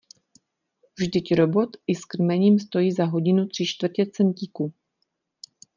Vždyť Robot i s krmením stojí za hodinu tři čtvrtě centíku!